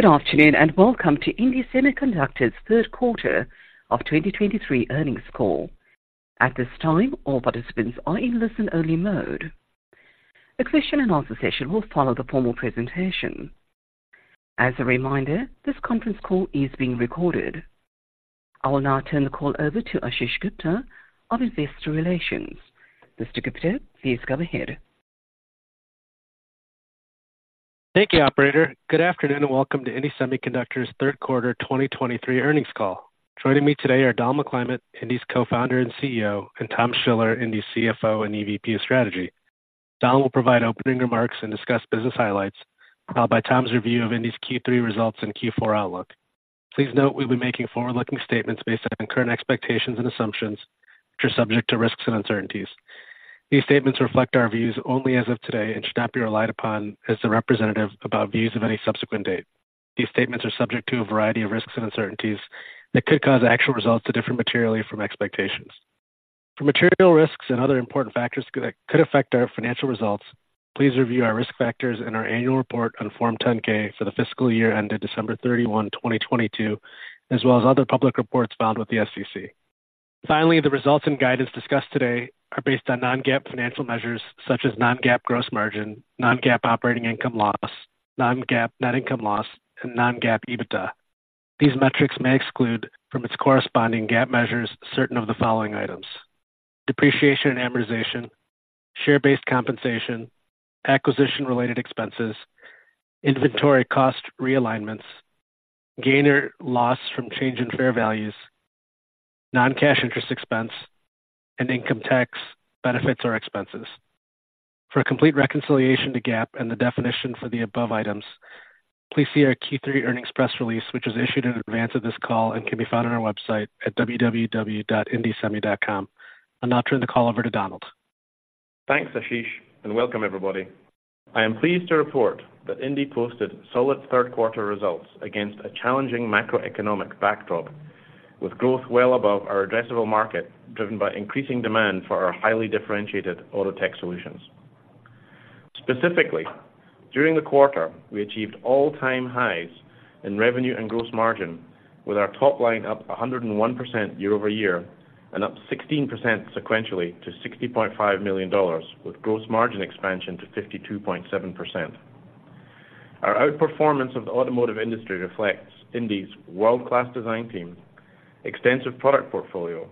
Good afternoon, and welcome to indie Semiconductor's third quarter of 2023 earnings call. At this time, all participants are in listen-only mode. A question and answer session will follow the formal presentation. As a reminder, this conference call is being recorded. I will now turn the call over to Ashish Gupta of Investor Relations. Mr. Gupta, please go ahead. Thank you, operator. Good afternoon, and welcome to indie Semiconductor's third quarter 2023 earnings call. Joining me today are Don McClymont, indie's Co-founder and CEO, and Tom Schiller, indie's CFO and EVP of Strategy. Don will provide opening remarks and discuss business highlights, followed by Tom's review of indie's Q3 results and Q4 outlook. Please note we'll be making forward-looking statements based on current expectations and assumptions, which are subject to risks and uncertainties. These statements reflect our views only as of today and should not be relied upon as the representative about views of any subsequent date. These statements are subject to a variety of risks and uncertainties that could cause actual results to differ materially from expectations. For material risks and other important factors that could affect our financial results, please review our risk factors and our annual report on Form 10-K for the fiscal year ended December 31, 2022, as well as other public reports filed with the SEC. Finally, the results and guidance discussed today are based on non-GAAP financial measures such as non-GAAP gross margin, non-GAAP operating income loss, non-GAAP net income loss, and non-GAAP EBITDA. These metrics may exclude from its corresponding GAAP measures certain of the following items: depreciation and amortization, share-based compensation, acquisition-related expenses, inventory cost realignments, gain or loss from change in fair values, non-cash interest expense, and income tax benefits or expenses. For a complete reconciliation to GAAP and the definition for the above items, please see our Q3 earnings press release, which was issued in advance of this call and can be found on our website at www.indiesemi.com. I'll now turn the call over to Donald. Thanks, Ashish, and welcome everybody. I am pleased to report that indie posted solid third quarter results against a challenging macroeconomic backdrop, with growth well above our addressable market, driven by increasing demand for our highly differentiated Autotech solutions. Specifically, during the quarter, we achieved all-time highs in revenue and gross margin, with our top line up 101% year-over-year and up 16% sequentially to $60.5 million, with gross margin expansion to 52.7%. Our outperformance of the automotive industry reflects indie's world-class design team, extensive product portfolio,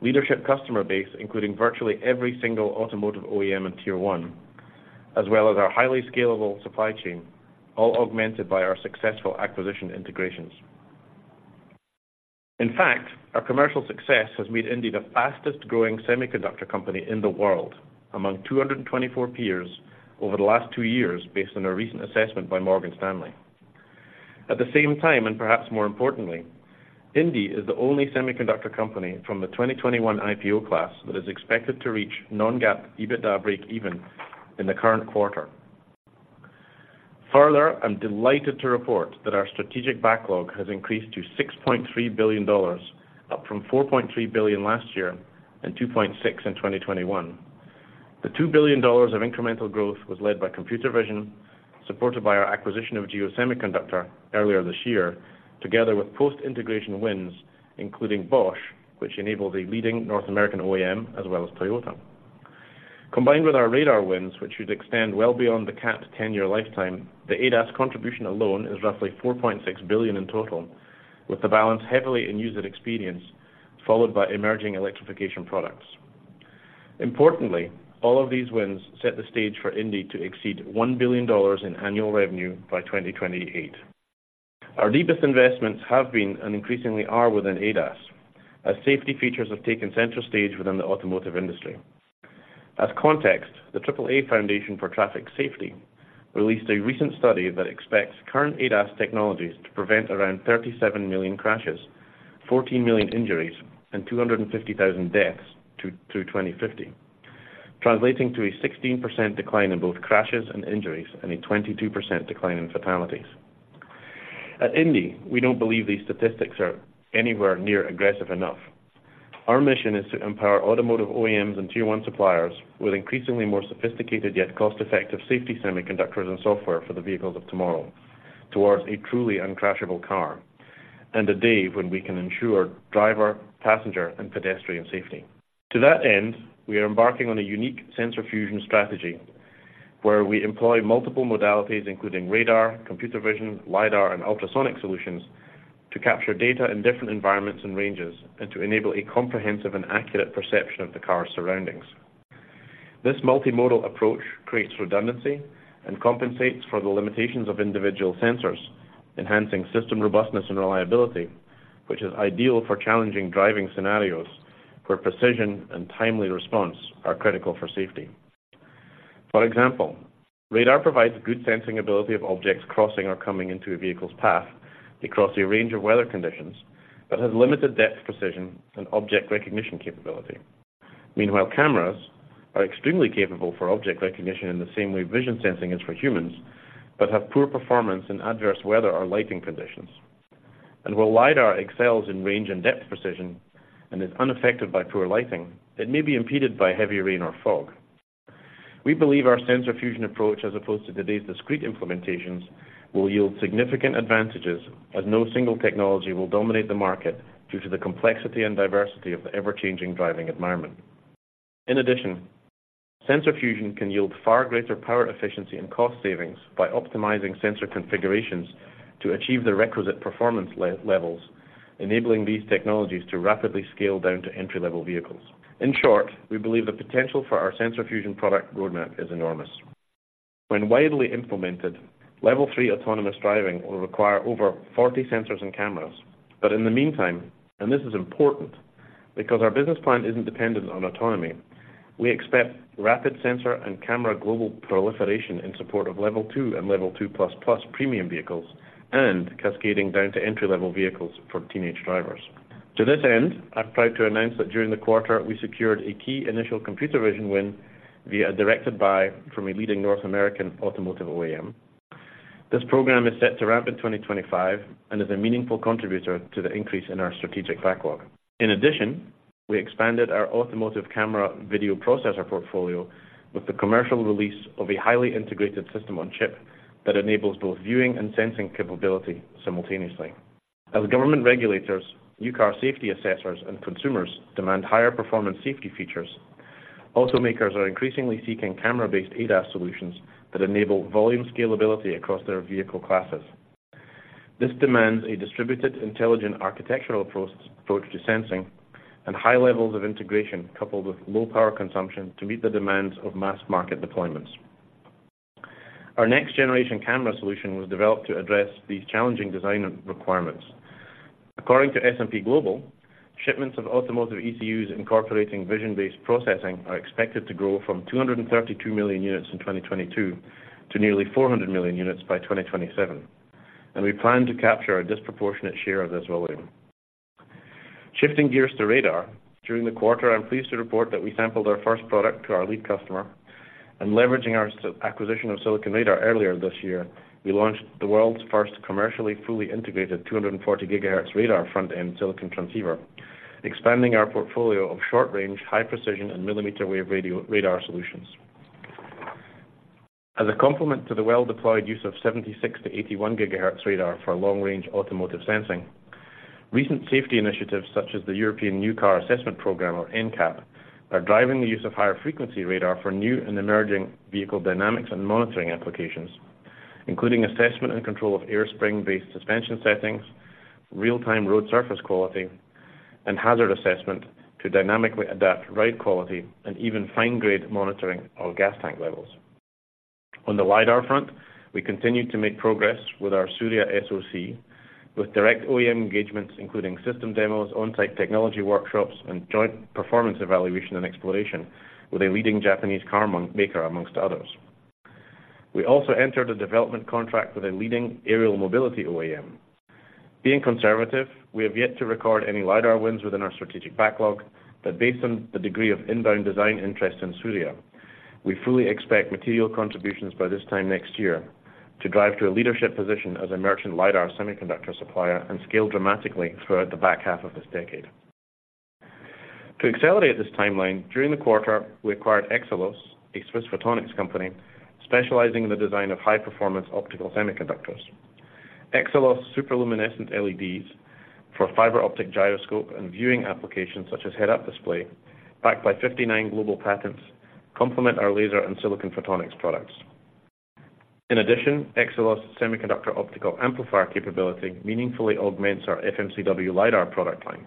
leadership customer base, including virtually every single automotive OEM and Tier 1, as well as our highly scalable supply chain, all augmented by our successful acquisition integrations. In fact, our commercial success has made indie the fastest growing semiconductor company in the world among 224 peers over the last 2 years, based on a recent assessment by Morgan Stanley. At the same time, and perhaps more importantly, indie is the only semiconductor company from the 2021 IPO class that is expected to reach non-GAAP EBITDA breakeven in the current quarter. Further, I'm delighted to report that our strategic backlog has increased to $6.3 billion, up from $4.3 billion last year and $2.6 billion in 2021. The $2 billion of incremental growth was led by computer vision, supported by our acquisition of GEO Semiconductor earlier this year, together with post-integration wins, including Bosch, which enabled a leading North American OEM, as well as Toyota. Combined with our radar wins, which should extend well beyond the capped 10-year lifetime, the ADAS contribution alone is roughly $4.6 billion in total, with the balance heavily in user experience, followed by emerging electrification products. Importantly, all of these wins set the stage for indie to exceed $1 billion in annual revenue by 2028. Our deepest investments have been, and increasingly are, within ADAS, as safety features have taken center stage within the automotive industry. As context, the AAA Foundation for Traffic Safety released a recent study that expects current ADAS technologies to prevent around 37 million crashes, 14 million injuries, and 250,000 deaths through 2050, translating to a 16% decline in both crashes and injuries and a 22% decline in fatalities. At indie, we don't believe these statistics are anywhere near aggressive enough. Our mission is to empower automotive OEMs and Tier 1 suppliers with increasingly more sophisticated yet cost-effective safety semiconductors and software for the vehicles of tomorrow towards a truly uncrashable car and a day when we can ensure driver, passenger, and pedestrian safety. To that end, we are embarking on a unique sensor fusion strategy, where we employ multiple modalities, including radar, computer vision, LiDAR, and ultrasonic solutions, to capture data in different environments and ranges and to enable a comprehensive and accurate perception of the car's surroundings. This multimodal approach creates redundancy and compensates for the limitations of individual sensors, enhancing system robustness and reliability, which is ideal for challenging driving scenarios where precision and timely response are critical for safety. For example, radar provides good sensing ability of objects crossing or coming into a vehicle's path across a range of weather conditions, but has limited depth, precision, and object recognition capability. Meanwhile, cameras are extremely capable for object recognition in the same way vision sensing is for humans, but have poor performance in adverse weather or lighting conditions. While LiDAR excels in range and depth precision and is unaffected by poor lighting, it may be impeded by heavy rain or fog. ... We believe our sensor fusion approach, as opposed to today's discrete implementations, will yield significant advantages, as no single technology will dominate the market due to the complexity and diversity of the ever-changing driving environment. In addition, sensor fusion can yield far greater power efficiency and cost savings by optimizing sensor configurations to achieve the requisite performance levels, enabling these technologies to rapidly scale down to entry-level vehicles. In short, we believe the potential for our sensor fusion product roadmap is enormous. When widely implemented, Level 3 autonomous driving will require over 40 sensors and cameras. But in the meantime, and this is important, because our business plan isn't dependent on autonomy, we expect rapid sensor and camera global proliferation in support of Level 2 and Level 2++ premium vehicles, and cascading down to entry-level vehicles for teenage drivers. To this end, I'm proud to announce that during the quarter, we secured a key initial computer vision win via directed buy from a leading North American automotive OEM. This program is set to ramp in 2025 and is a meaningful contributor to the increase in our strategic backlog. In addition, we expanded our automotive camera video processor portfolio with the commercial release of a highly integrated system on chip that enables both viewing and sensing capability simultaneously. As government regulators, new car safety assessors, and consumers demand higher performance safety features, automakers are increasingly seeking camera-based ADAS solutions that enable volume scalability across their vehicle classes. This demands a distributed, intelligent, architectural approach to sensing and high levels of integration, coupled with low power consumption, to meet the demands of mass market deployments. Our next generation camera solution was developed to address these challenging design requirements. According to S&P Global, shipments of automotive ECUs incorporating vision-based processing are expected to grow from 232 million units in 2022 to nearly 400 million units by 2027, and we plan to capture a disproportionate share of this volume. Shifting gears to radar. During the quarter, I'm pleased to report that we sampled our first product to our lead customer, and leveraging our acquisition of Silicon Radar earlier this year, we launched the world's first commercially fully integrated 240 GHz radar front-end silicon transceiver, expanding our portfolio of short-range, high precision and millimeter wave radar solutions. As a complement to the well-deployed use of 76-81 GHz radar for long range automotive sensing, recent safety initiatives, such as the European New Car Assessment Programme, or NCAP, are driving the use of higher frequency radar for new and emerging vehicle dynamics and monitoring applications, including assessment and control of air spring-based suspension settings, real-time road surface quality, and hazard assessment to dynamically adapt ride quality and even fine-grained monitoring of gas tank levels. On the LiDAR front, we continue to make progress with our Surya SoC, with direct OEM engagements, including system demos, on-site technology workshops, and joint performance evaluation and exploration with a leading Japanese car maker, among others. We also entered a development contract with a leading aerial mobility OEM. Being conservative, we have yet to record any LiDAR wins within our strategic backlog, but based on the degree of inbound design interest in Surya, we fully expect material contributions by this time next year to drive to a leadership position as a merchant LiDAR semiconductor supplier, and scale dramatically throughout the back half of this decade. To accelerate this timeline, during the quarter, we acquired EXALOS, a Swiss photonics company, specializing in the design of high-performance optical semiconductors. EXALOS superluminescent LEDs for fiber optic gyroscope and viewing applications, such as head-up display, backed by 59 global patents, complement our laser and silicon photonics products. In addition, EXALOS semiconductor optical amplifier capability meaningfully augments our FMCW LiDAR product line.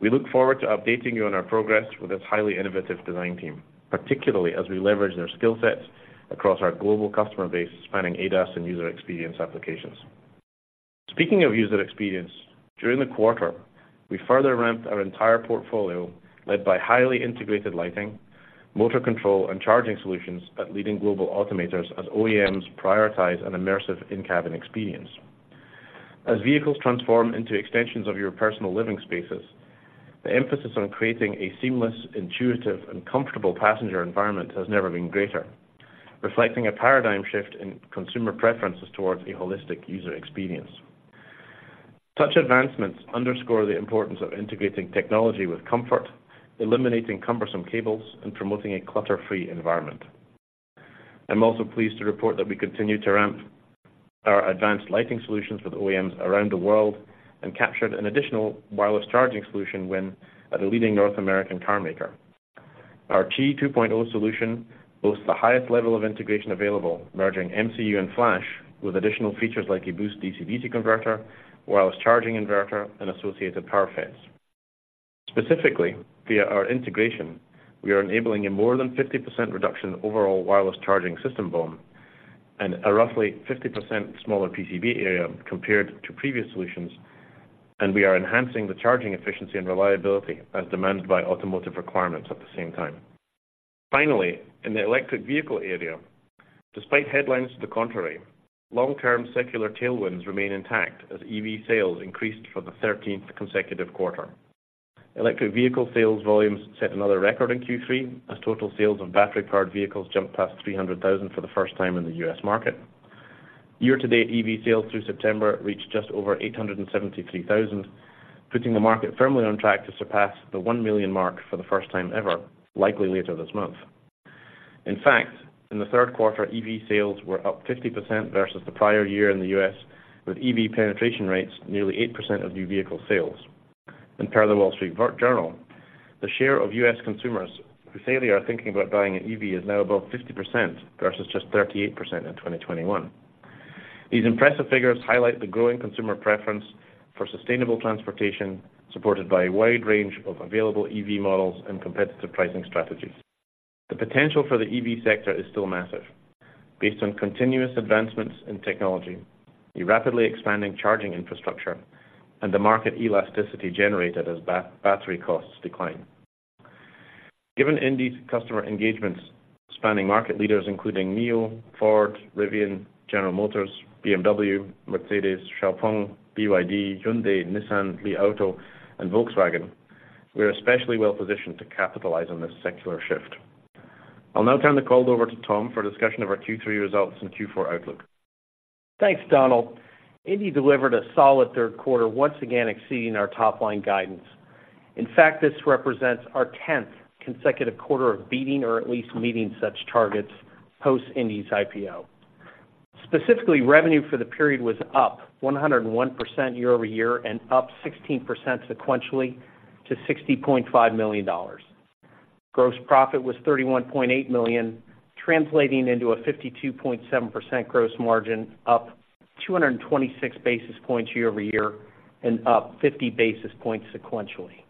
We look forward to updating you on our progress with this highly innovative design team, particularly as we leverage their skill sets across our global customer base, spanning ADAS and user experience applications. Speaking of user experience, during the quarter, we further ramped our entire portfolio, led by highly integrated lighting, motor control, and charging solutions at leading global automakers as OEMs prioritize an immersive in-cabin experience. As vehicles transform into extensions of your personal living spaces, the emphasis on creating a seamless, intuitive and comfortable passenger environment has never been greater, reflecting a paradigm shift in consumer preferences towards a holistic user experience. Such advancements underscore the importance of integrating technology with comfort, eliminating cumbersome cables and promoting a clutter-free environment. I'm also pleased to report that we continue to ramp our advanced lighting solutions with OEMs around the world, and captured an additional wireless charging solution win at a leading North American carmaker. Our Qi 2.0 solution boasts the highest level of integration available, merging MCU and Flash with additional features like a boost DC-DC converter, wireless charging inverter, and associated power FETs. Specifically, via our integration, we are enabling a more than 50% reduction overall wireless charging system BOM and a roughly 50% smaller PCB area compared to previous solutions, and we are enhancing the charging efficiency and reliability as demanded by automotive requirements at the same time. Finally, in the electric vehicle area, despite headlines to the contrary, long-term secular tailwinds remain intact as EV sales increased for the 13th consecutive quarter. Electric vehicle sales volumes set another record in Q3, as total sales of battery-powered vehicles jumped past 300,000 for the first time in the U.S. market... Year-to-date, EV sales through September reached just over 873,000, putting the market firmly on track to surpass the 1 million mark for the first time ever, likely later this month. In fact, in the third quarter, EV sales were up 50% versus the prior year in the U.S., with EV penetration rates nearly 8% of new vehicle sales. Per the Wall Street Journal, the share of U.S. consumers who say they are thinking about buying an EV is now above 50%, versus just 38% in 2021. These impressive figures highlight the growing consumer preference for sustainable transportation, supported by a wide range of available EV models and competitive pricing strategies. The potential for the EV sector is still massive, based on continuous advancements in technology, a rapidly expanding charging infrastructure, and the market elasticity generated as battery costs decline. Given indie's customer engagements, spanning market leaders including NIO, Ford, Rivian, General Motors, BMW, Mercedes, XPENG, BYD, Hyundai, Nissan, Li Auto, and Volkswagen, we are especially well-positioned to capitalize on this secular shift. I'll now turn the call over to Tom for a discussion of our Q3 results and Q4 outlook. Thanks, Donald. indie delivered a solid third quarter, once again exceeding our top-line guidance. In fact, this represents our 10th consecutive quarter of beating or at least meeting such targets, post indie's IPO. Specifically, revenue for the period was up 101% year-over-year and up 16% sequentially to $60.5 million. Gross profit was $31.8 million, translating into a 52.7% gross margin, up 226 basis points year-over-year and up 50 basis points sequentially.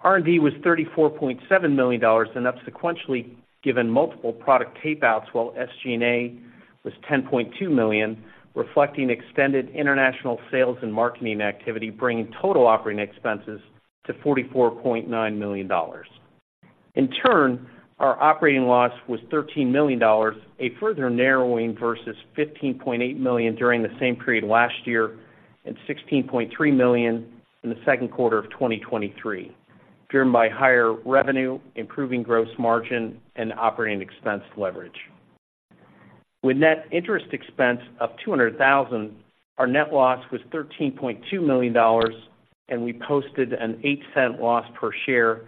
R&D was $34.7 million and up sequentially, given multiple product tapeouts, while SG&A was $10.2 million, reflecting extended international sales and marketing activity, bringing total operating expenses to $44.9 million. In turn, our operating loss was $13 million, a further narrowing versus $15.8 million during the same period last year and $16.3 million in the second quarter of 2023, driven by higher revenue, improving gross margin, and operating expense leverage. With net interest expense of $200,000, our net loss was $13.2 million, and we posted an $0.08 loss per share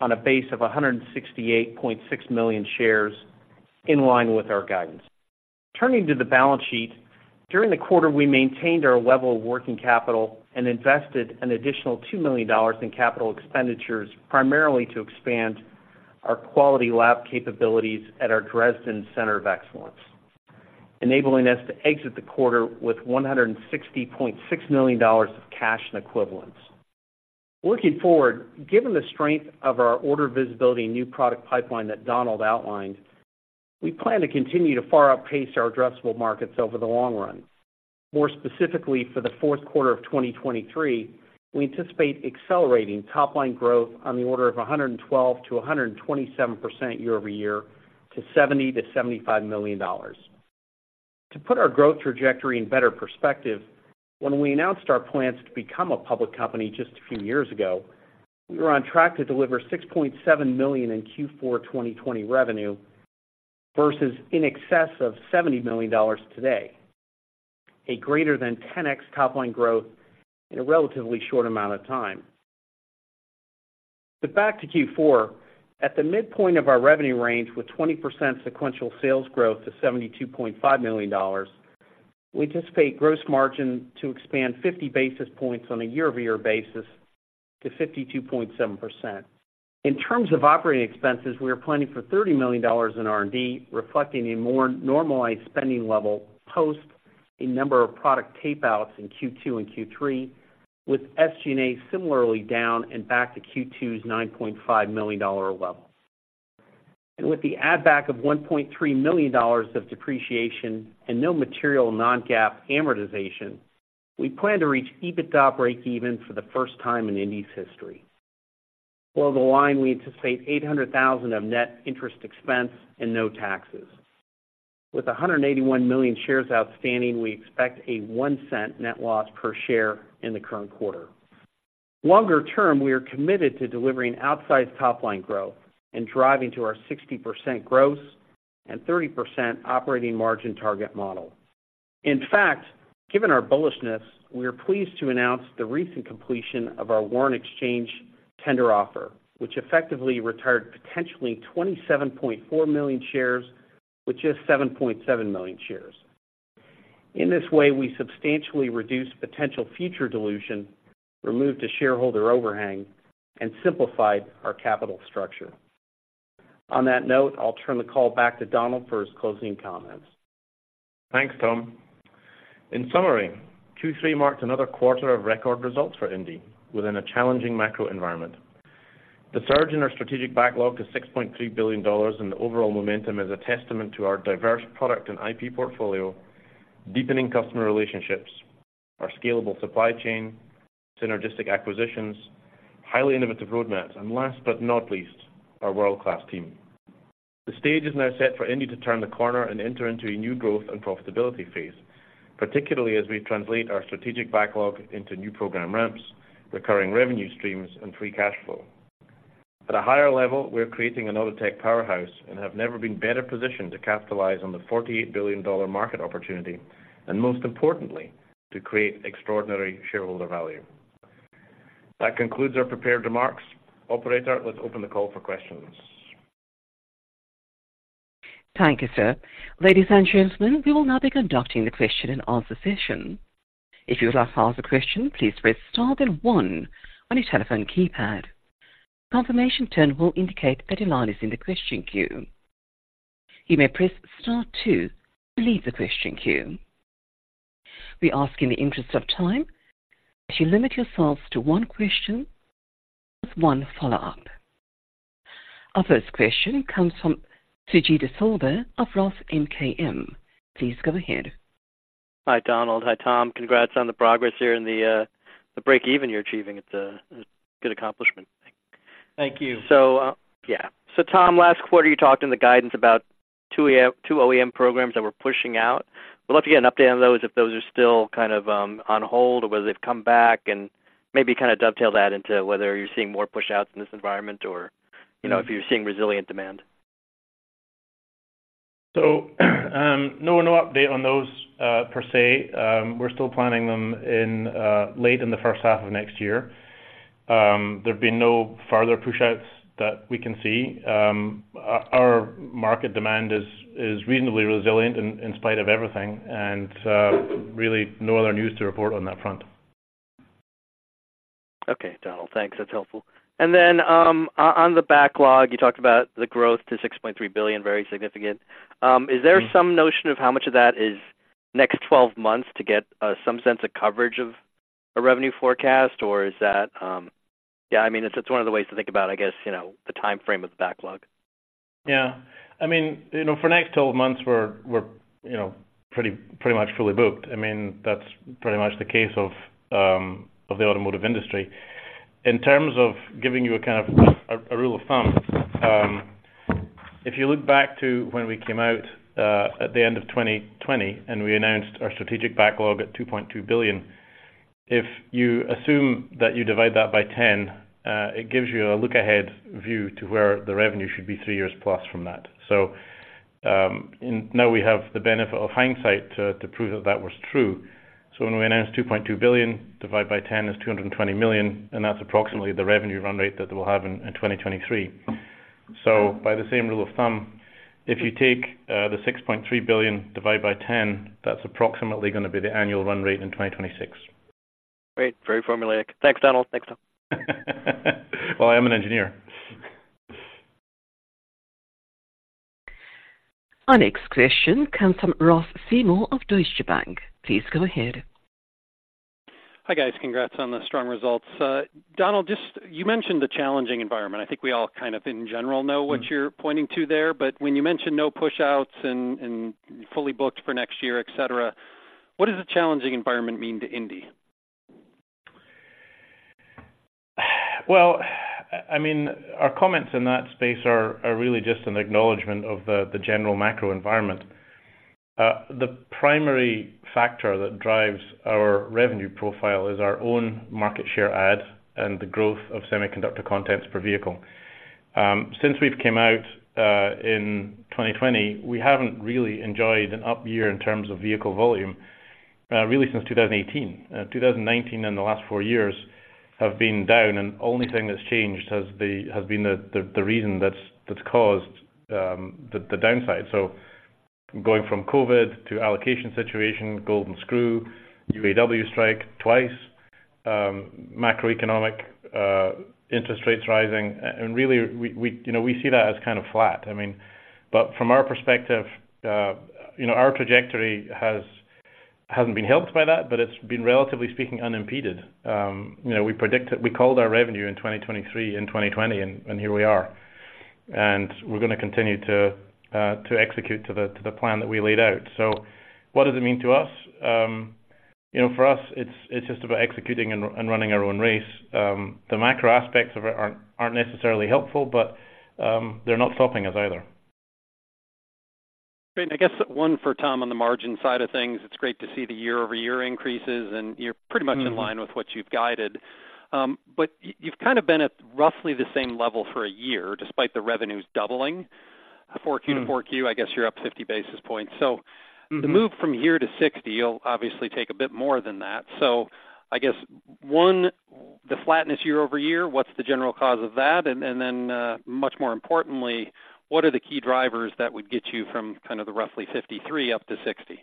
on a base of 168.6 million shares, in line with our guidance. Turning to the balance sheet, during the quarter, we maintained our level of working capital and invested an additional $2 million in capital expenditures, primarily to expand our quality lab capabilities at our Dresden Center of Excellence, enabling us to exit the quarter with $160.6 million of cash and equivalents. Looking forward, given the strength of our order visibility and new product pipeline that Donald outlined, we plan to continue to far outpace our addressable markets over the long run. More specifically, for the fourth quarter of 2023, we anticipate accelerating top-line growth on the order of 112%-127% year-over-year to $70 million-$75 million. To put our growth trajectory in better perspective, when we announced our plans to become a public company just a few years ago, we were on track to deliver $6.7 million in Q4 2020 revenue, versus in excess of $70 million today, a greater than 10x top-line growth in a relatively short amount of time. Back to Q4, at the midpoint of our revenue range, with 20% sequential sales growth to $72.5 million, we anticipate gross margin to expand 50 basis points on a year-over-year basis to 52.7%. In terms of operating expenses, we are planning for $30 million in R&D, reflecting a more normalized spending level, post a number of product tapeouts in Q2 and Q3, with SG&A similarly down and back to Q2's $9.5 million level. With the add-back of $1.3 million of depreciation and no material non-GAAP amortization, we plan to reach EBITDA breakeven for the first time in indie's history. Below the line, we anticipate $800,000 of net interest expense and no taxes. With 181 million shares outstanding, we expect a $0.01 net loss per share in the current quarter. Longer term, we are committed to delivering outsized top-line growth and driving to our 60% gross and 30% operating margin target model. In fact, given our bullishness, we are pleased to announce the recent completion of our warrant exchange tender offer, which effectively retired potentially 27.4 million shares with just 7.7 million shares. In this way, we substantially reduced potential future dilution, removed a shareholder overhang, and simplified our capital structure. On that note, I'll turn the call back to Donald for his closing comments. Thanks, Tom. In summary, Q3 marked another quarter of record results for indie within a challenging macro environment. The surge in our strategic backlog to $6.3 billion and the overall momentum is a testament to our diverse product and IP portfolio, deepening customer relationships, our scalable supply chain, synergistic acquisitions, highly innovative roadmaps, and last but not least, our world-class team. The stage is now set for indie to turn the corner and enter into a new growth and profitability phase, particularly as we translate our strategic backlog into new program ramps, recurring revenue streams, and free cash flow. ...At a higher level, we're creating an Autotech powerhouse and have never been better positioned to capitalize on the $48 billion market opportunity, and most importantly, to create extraordinary shareholder value. That concludes our prepared remarks. Operator, let's open the call for questions. Thank you, sir. Ladies and gentlemen, we will now be conducting the question and answer session. If you would like to ask a question, please press star, then one on your telephone keypad. Confirmation tone will indicate that your line is in the question queue. You may press star two to leave the question queue. We ask, in the interest of time, that you limit yourselves to one question with one follow-up. Our first question comes from Suji Desilva of Roth MKM. Please go ahead. Hi, Donald. Hi, Tom. Congrats on the progress here and the break even you're achieving. It's a, it's a good accomplishment. Thank you. So, yeah. So Tom, last quarter, you talked in the guidance about two OEM, two OEM programs that were pushing out. I'd love to get an update on those, if those are still kind of on hold or whether they've come back and maybe kind of dovetail that into whether you're seeing more pushouts in this environment or, you know, if you're seeing resilient demand. So, no, no update on those, per se. We're still planning them in late in the first half of next year. There have been no further pushouts that we can see. Our market demand is reasonably resilient in spite of everything, and really no other news to report on that front. Okay, Donald. Thanks. That's helpful. And then, on the backlog, you talked about the growth to $6.3 billion, very significant. Is there some notion of how much of that is next 12 months to get some sense of coverage of a revenue forecast? Or is that? Yeah, I mean, it's just one of the ways to think about, I guess, you know, the timeframe of the backlog. Yeah. I mean, you know, for the next 12 months, we're, you know, pretty much fully booked. I mean, that's pretty much the case of the automotive industry. In terms of giving you a kind of a rule of thumb, if you look back to when we came out at the end of 2020, and we announced our strategic backlog at $2.2 billion, if you assume that you divide that by 10, it gives you a look ahead view to where the revenue should be +3 years from that. So, and now we have the benefit of hindsight to prove that that was true. So when we announced $2.2 billion, divide by 10 is $220 million, and that's approximately the revenue run rate that we'll have in 2023. So by the same rule of thumb, if you take the $6.3 billion divide by 10, that's approximately gonna be the annual run rate in 2026. Great. Very formulaic. Thanks, Donald. Thanks, Tom. Well, I am an engineer. Our next question comes from Ross Seymore of Deutsche Bank. Please go ahead. Hi, guys. Congrats on the strong results. Donald, just... You mentioned the challenging environment. I think we all kind of, in general, know what you're pointing to there, but when you mentioned no pushouts and, and fully booked for next year, et cetera, what does a challenging environment mean to indie? Well, I mean, our comments in that space are really just an acknowledgment of the general macro environment. The primary factor that drives our revenue profile is our own market share add and the growth of semiconductor contents per vehicle. Since we've came out in 2020, we haven't really enjoyed an up year in terms of vehicle volume really since 2018. 2019 and the last 4 years have been down, and the only thing that's changed has been the reason that's caused the downside. So going from COVID to allocation situation, golden screw, UAW strike twice, macroeconomic, interest rates rising, and really, we you know, we see that as kind of flat. I mean, but from our perspective, you know, our trajectory has, hasn't been helped by that, but it's been, relatively speaking, unimpeded. You know, we predicted—we called our revenue in 2023 and 2020, and here we are. And we're gonna continue to execute to the plan that we laid out. So what does it mean to us? You know, for us, it's just about executing and running our own race. The macro aspects of it aren't necessarily helpful, but they're not stopping us either. Great. I guess one for Tom on the margin side of things. It's great to see the year-over-year increases, and you're pretty much in line with what you've guided. But you've kind of been at roughly the same level for a year, despite the revenues doubling. 4Q to 4Q, I guess you're up 50 basis points. So- Mm-hmm. -the move from here to 60, you'll obviously take a bit more than that. So I guess, one, the flatness year-over-year, what's the general cause of that? And, and then, much more importantly, what are the key drivers that would get you from kind of the roughly 53 up to 60?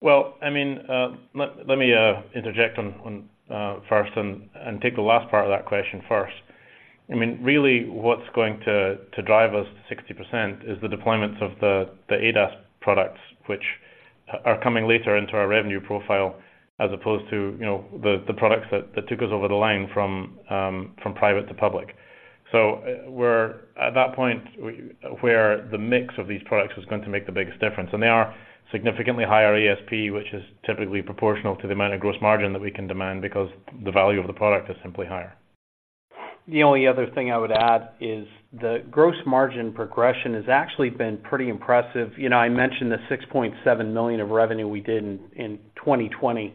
Well, I mean, let me interject on first and take the last part of that question first. I mean, really, what's going to drive us to 60% is the deployments of the ADAS products, which are coming later into our revenue profile, as opposed to, you know, the products that took us over the line from private to public. So, we're at that point where the mix of these products is going to make the biggest difference, and they are significantly higher ESP, which is typically proportional to the amount of gross margin that we can demand because the value of the product is simply higher. The only other thing I would add is the gross margin progression has actually been pretty impressive. You know, I mentioned the $6.7 million of revenue we did in 2020.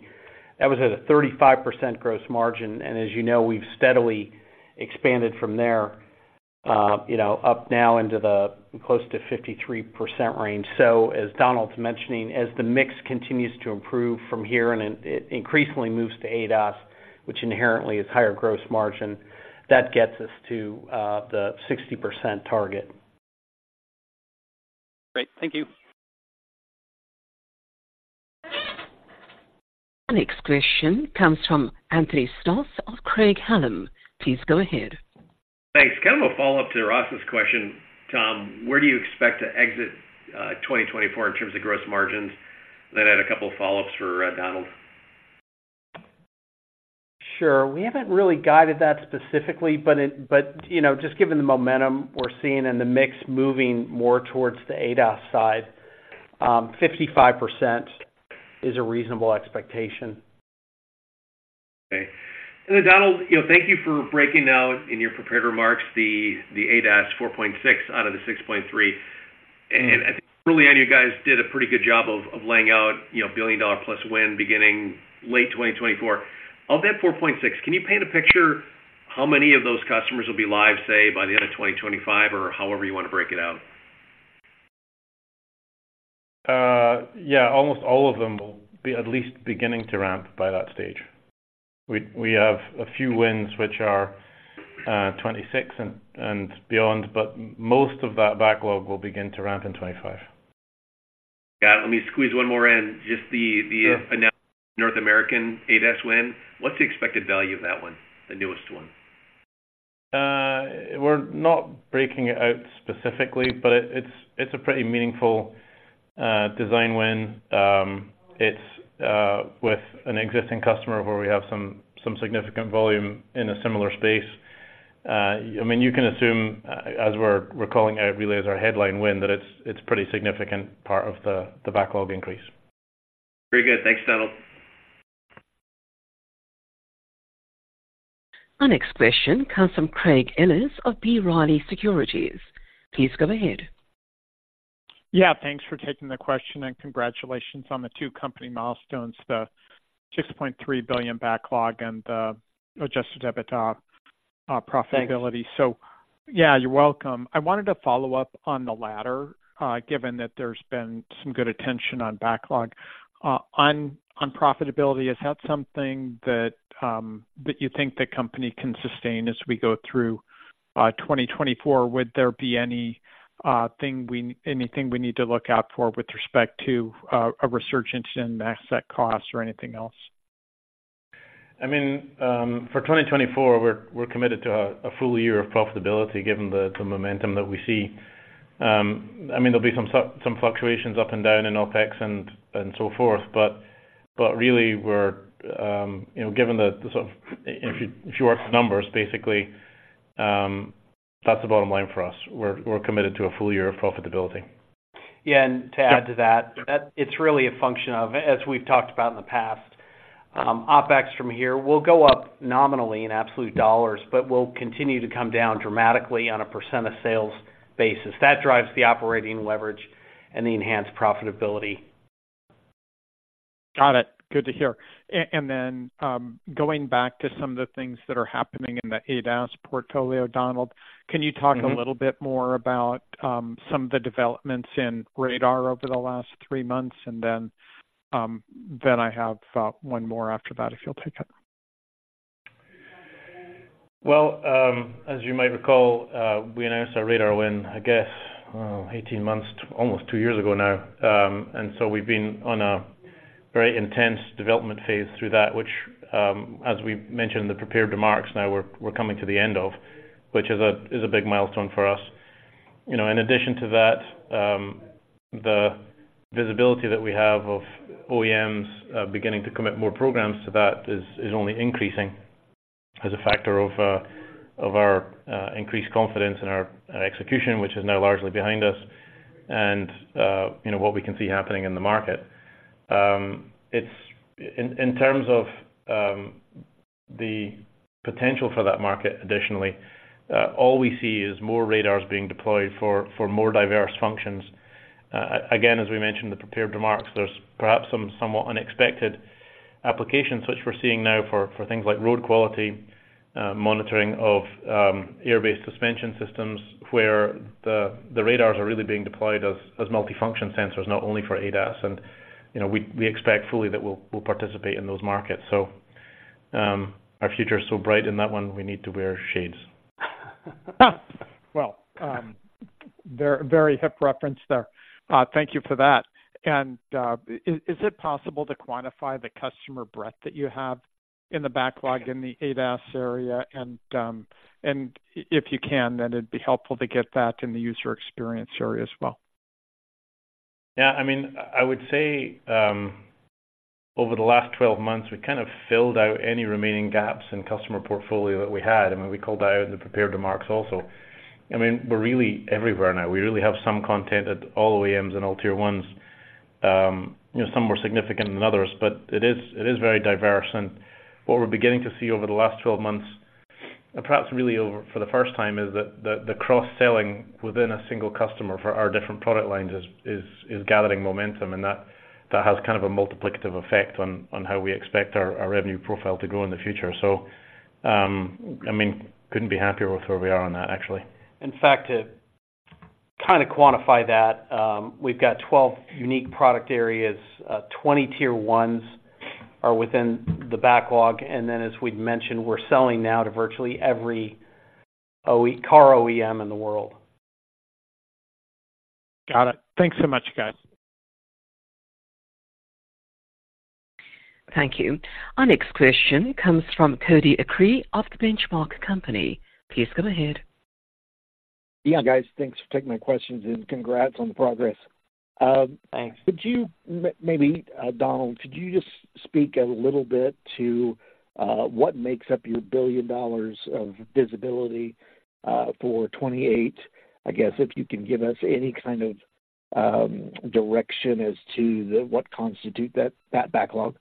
That was at a 35% gross margin, and as you know, we've steadily expanded from there. You know, up now into the close to 53% range. So as Donald’s mentioning, as the mix continues to improve from here, and it increasingly moves to ADAS, which inherently is higher gross margin, that gets us to the 60% target. Great. Thank you. Our next question comes from Anthony Stoss of Craig-Hallum. Please go ahead. Thanks. Kind of a follow-up to Ross's question, Tom, where do you expect to exit 2024 in terms of gross margins? Then I had a couple of follow-ups for Donald. Sure. We haven't really guided that specifically, but, you know, just given the momentum we're seeing and the mix moving more towards the ADAS side, 55% is a reasonable expectation. Okay. And then, Donald, you know, thank you for breaking out in your prepared remarks, the ADAS 4.6 out of the 6.3. And I think early on, you guys did a pretty good job of laying out, you know, a billion-dollar plus win beginning late 2024. Of that 4.6, can you paint a picture how many of those customers will be live, say, by the end of 2025 or however you want to break it out? Yeah, almost all of them will be at least beginning to ramp by that stage. We have a few wins, which are 2026 and beyond, but most of that backlog will begin to ramp in 2025. Yeah. Let me squeeze one more in. Just the- Sure. Announce North American ADAS win. What's the expected value of that one, the newest one? We're not breaking it out specifically, but it's a pretty meaningful design win. It's with an existing customer where we have some significant volume in a similar space. I mean, you can assume, as we're calling out, really, as our headline win, that it's pretty significant part of the backlog increase. Very good. Thanks, Donald. Our next question comes from Craig Ellis of B. Riley Securities. Please go ahead. Yeah, thanks for taking the question, and congratulations on the two company milestones, the $6.3 billion backlog and the adjusted EBITDA profitability. Thanks. So, yeah, you're welcome. I wanted to follow up on the latter, given that there's been some good attention on backlog. On profitability, is that something that you think the company can sustain as we go through 2024? Would there be any anything we need to look out for with respect to a resurgence in asset costs or anything else? I mean, for 2024, we're committed to a full year of profitability, given the momentum that we see. I mean, there'll be some fluctuations up and down in OpEx and so forth, but really we're, you know, given the sort of, if you work the numbers, basically, that's the bottom line for us. We're committed to a full year of profitability. Yeah, and to add to that, that it's really a function of, as we've talked about in the past, OpEx from here will go up nominally in absolute dollars, but will continue to come down dramatically on a percent of sales basis. That drives the operating leverage and the enhanced profitability. Got it. Good to hear. And then, going back to some of the things that are happening in the ADAS portfolio, Donald, can you talk- Mm-hmm.... a little bit more about some of the developments in radar over the last 3 months? And then I have one more after that, if you'll take it. Well, as you might recall, we announced our radar win, I guess, 18 months, almost 2 years ago now. And so we've been on a very intense development phase through that, which, as we mentioned in the prepared remarks, now we're coming to the end of, which is a big milestone for us. You know, in addition to that, the visibility that we have of OEMs beginning to commit more programs to that is only increasing as a factor of our increased confidence in our execution, which is now largely behind us and, you know, what we can see happening in the market. It's in terms of the potential for that market, additionally, all we see is more radars being deployed for more diverse functions. Again, as we mentioned in the prepared remarks, there's perhaps some somewhat unexpected applications, which we're seeing now for things like road quality monitoring of air-based suspension systems, where the radars are really being deployed as multifunction sensors, not only for ADAS. You know, we expect fully that we'll participate in those markets. Our future is so bright in that one, we need to wear shades. Well, very, very hip reference there. Thank you for that. And, is it possible to quantify the customer breadth that you have in the backlog in the ADAS area? And, if you can, then it'd be helpful to get that in the user experience area as well. Yeah, I mean, I would say over the last 12 months, we kind of filled out any remaining gaps in customer portfolio that we had, and we called out the prepared remarks also. I mean, we're really everywhere now. We really have some content at all OEMs and all Tier 1s. You know, some more significant than others, but it is very diverse. And what we're beginning to see over the last 12 months, and perhaps really over for the first time, is that the cross-selling within a single customer for our different product lines is gathering momentum, and that has kind of a multiplicative effect on how we expect our revenue profile to grow in the future. So, I mean, couldn't be happier with where we are on that, actually. In fact to kind of quantify that. We've got 12 unique product areas. 20 Tier 1s are within the backlog, and then as we'd mentioned, we're selling now to virtually every OEM, car OEM in the world. Got it. Thanks so much, guys. Thank you. Our next question comes from Cody Acree of The Benchmark Company. Please go ahead. Yeah, guys, thanks for taking my questions, and congrats on the progress. Thanks. Could you maybe, Donald, could you just speak a little bit to what makes up your $1 billion of visibility for 2028? I guess, if you can give us any kind of direction as to what constitutes that backlog.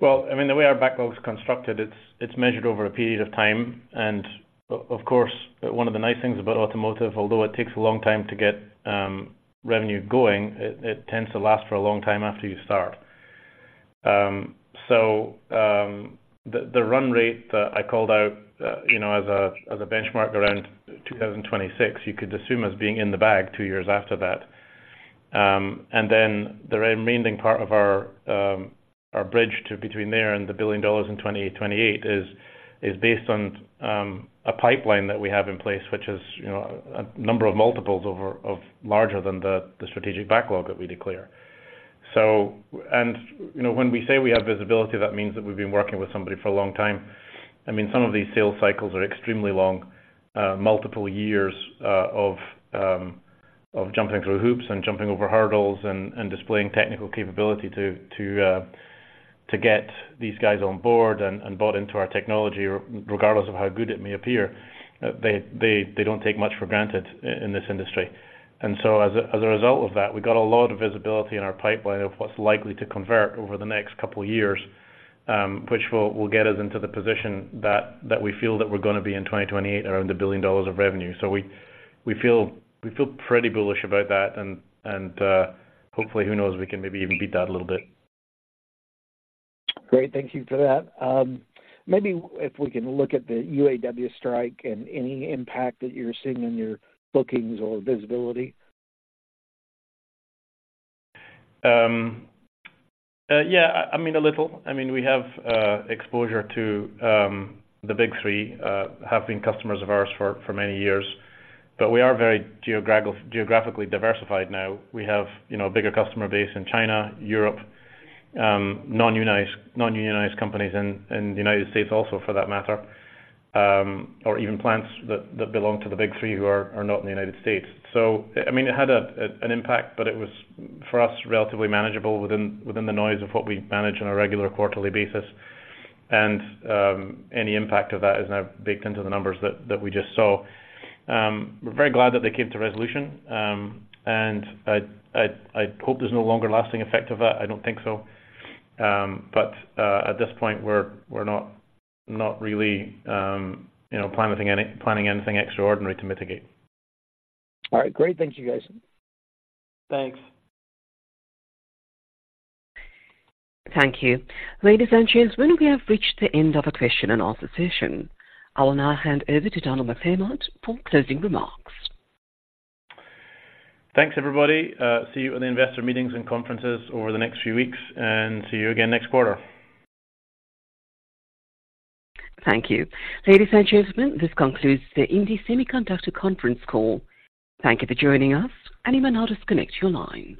Well, I mean, the way our backlog's constructed, it's measured over a period of time. And of course, one of the nice things about automotive, although it takes a long time to get revenue going, it tends to last for a long time after you start. So, the run rate that I called out, you know, as a benchmark around 2026, you could assume as being in the bag 2 years after that. And then the remaining part of our bridge to between there and $1 billion in 2028 is based on a pipeline that we have in place, which is, you know, a number of multiples over, of larger than the strategic backlog that we declare. You know, when we say we have visibility, that means that we've been working with somebody for a long time. I mean, some of these sales cycles are extremely long, multiple years of jumping through hoops and jumping over hurdles and displaying technical capability to get these guys on board and bought into our technology, regardless of how good it may appear. They don't take much for granted in this industry. And so as a result of that, we've got a lot of visibility in our pipeline of what's likely to convert over the next couple of years, which will get us into the position that we feel that we're gonna be in 2028, around $1 billion of revenue. So we feel pretty bullish about that, and hopefully, who knows? We can maybe even beat that a little bit. Great. Thank you for that. Maybe if we can look at the UAW strike and any impact that you're seeing on your bookings or visibility. Yeah, I mean, a little. I mean, we have exposure to the Big Three, have been customers of ours for many years, but we are very geographically diversified now. We have, you know, a bigger customer base in China, Europe, non-unionized companies in the United States also, for that matter. Or even plants that belong to the Big Three who are not in the United States. So, I mean, it had an impact, but it was, for us, relatively manageable within the noise of what we manage on a regular quarterly basis. And any impact of that is now baked into the numbers that we just saw. We're very glad that they came to resolution. And I hope there's no longer lasting effect of that. I don't think so. At this point, we're not really, you know, planning anything extraordinary to mitigate. All right, great. Thank you, guys. Thanks. Thank you. Ladies and gents, well, we have reached the end of a question and answer session. I will now hand over to Donald McClymont for closing remarks. Thanks, everybody. See you at the investor meetings and conferences over the next few weeks, and see you again next quarter. Thank you. Ladies and gentlemen, this concludes the indie Semiconductor conference call. Thank you for joining us, and you may now disconnect your line.